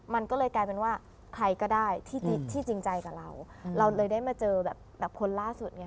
มันก็เลยกลายเป็นว่าใครก็ได้ที่จริงใจกับเราเราเลยได้มาเจอแบบคนล่าสุดไง